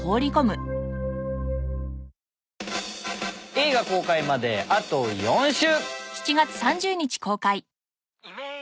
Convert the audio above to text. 映画公開まであと４週！